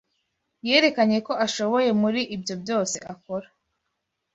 yerekanye ko ashoboye muri ibyo byose akora